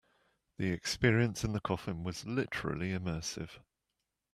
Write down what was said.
The experience in the coffin was literally immersive.